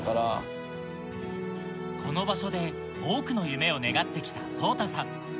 この場所で多くの夢を願って来たＳＯＴＡさん